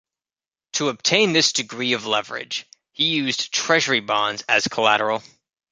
To obtain this degree of leverage, he used treasury bonds as collateral.